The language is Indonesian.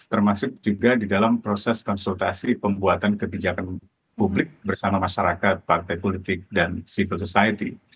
termasuk juga di dalam proses konsultasi pembuatan kebijakan publik bersama masyarakat partai politik dan civil society